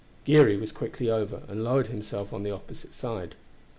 Geary was quickly over, and lowered himself on the opposite side.